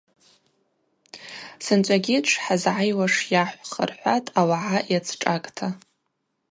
Сынчӏвагьи дшхӏызгӏайуаш йахӏвх, – рхӏватӏ ауагӏа йацшӏакӏта.